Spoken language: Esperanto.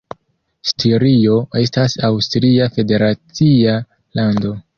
Stirio estas aŭstria federacia lando.